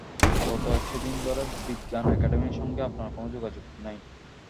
গত একুশ দিন ধরে বিজ্ঞান একাডেমির সঙ্গে আপনার কোনো যোগাযোগ নেই।